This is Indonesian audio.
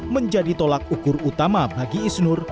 menjadi tolak ukur utama bagi isnur